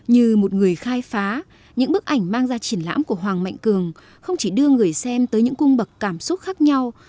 như một người khai phá những bức ảnh mang ra triển lãm của hoàng mạnh cường không chỉ đưa người xem tới những cung bậc cảm xúc khác nhau